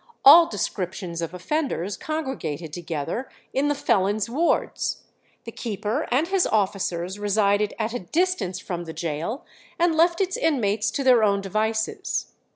All descriptions of offenders congregated together in the felons' wards. The keeper and his officers resided at a distance from the gaol, and left its inmates to their own devices.